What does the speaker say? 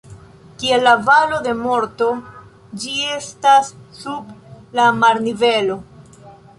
Kiel la Valo de Morto, ĝi estas sub la marnivelo.